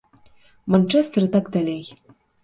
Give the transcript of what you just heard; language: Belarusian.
Манчэстэр і так далей.